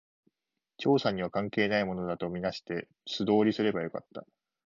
調査には関係ないものだと見なして、素通りすればよかった